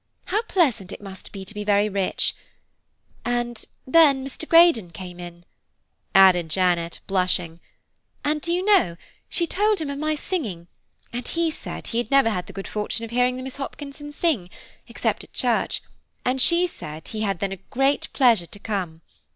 How pleasant it must be to be very rich. And then Mr. Greydon came in," added Janet, blushing, "and do you know she told him of my singing, and he said he had never had the good fortune of hearing the Miss Hopkinsons sing, except at church, and she said he had then a great pleasure to come.